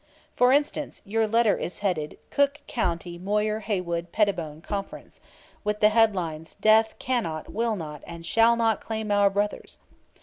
For instance, your letter is headed "Cook County Moyer Haywood Pettibone Conference," with the headlines: "Death cannot will not and shall not claim our brothers!"